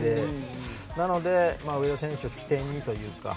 なので、上田選手を起点にというか。